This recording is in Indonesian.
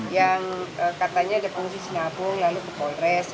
yang katanya ada fungsi sinabung lalu kepolres